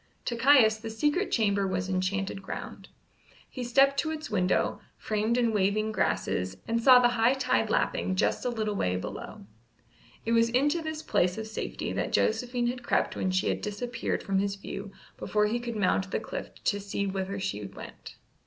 To Caius the secret chamber was enchanted ground. He stepped to its window, framed in waving grasses, and saw the high tide lapping just a little way below. It was into this place of safety that Josephine had crept when she had disappeared from his view before he could mount the cliff to see whither she went.